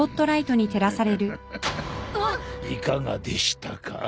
いかがでしたか？